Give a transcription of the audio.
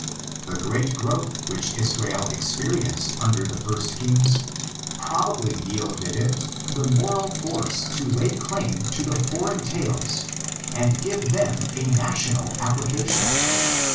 The great growth which Israel experienced under the first kings probably yielded it the moral force to lay claim to the foreign tales and give them a national application.